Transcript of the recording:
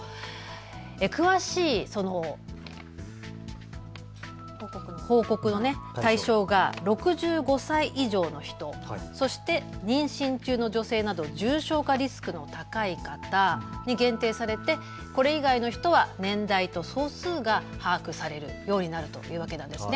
詳しい報告の対象が６５歳以上の人、そして妊娠中の女性など重症化リスクの高い方に限定されて、これ以外の人は年代と総数が把握されるようになります。